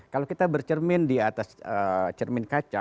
kalau kita bercermin di atas cermin kaca